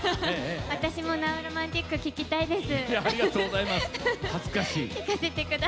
私も「ナウロマンティック」聴きたいです。